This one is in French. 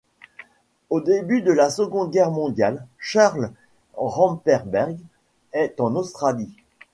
Au début de la Seconde Guerre mondiale Charles Rampelberg est en Australie.